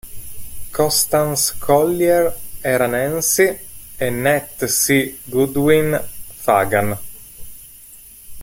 Constance Collier era Nancy e Nat C. Goodwin, Fagan.